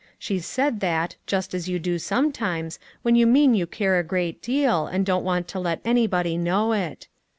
She said that, just as you do sometimes, when you mean you care a great deal, and don't want to let anybody know it.